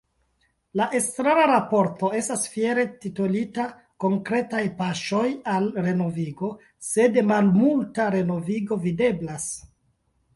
La Estrara Raporto estas fiere titolita “Konkretaj paŝoj al renovigo”, sed malmulta renovigo videblas.